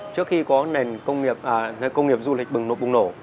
trước khi có nền công nghiệp du lịch bùng nổ